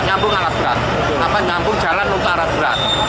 nyambung alat berat nyambung jalan untuk alat berat